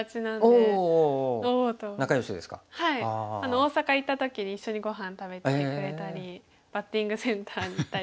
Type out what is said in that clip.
大阪行った時に一緒にごはん食べてくれたりバッティングセンターに行ったり。